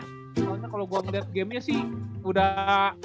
soalnya kalau gue ngeliat gamenya sih udah